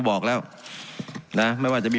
การปรับปรุงทางพื้นฐานสนามบิน